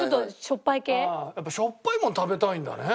やっぱしょっぱいもん食べたいんだね。